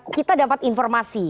kita dapat informasi